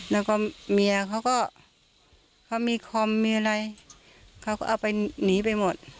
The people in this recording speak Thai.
แล้วก็เมียเขาก็เขามีคอมมีอะไรเขาก็เอาไปหนีไปหมด